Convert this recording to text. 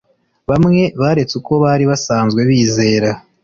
Bamwe baretse uko bari basanzwe bizera